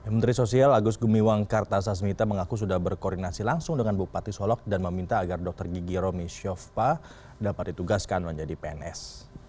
menteri sosial agus gumiwang kartasasmita mengaku sudah berkoordinasi langsung dengan bupati solok dan meminta agar dokter gigi romi syofa dapat ditugaskan menjadi pns